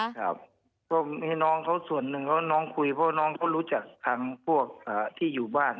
ครับก็มีน้องเขาส่วนหนึ่งน้องคุยเพราะน้องเขารู้จักทางพวกที่อยู่บ้าน